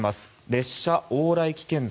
列車往来危険罪。